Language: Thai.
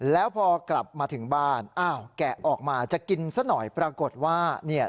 แล้วพอกลับมาถึงบ้านอ้าวแกะออกมาจะกินซะหน่อยปรากฏว่าเนี่ย